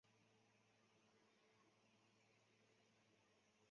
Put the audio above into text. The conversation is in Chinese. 含新装版。